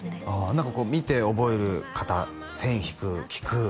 何かこう見て覚える方線引く聴く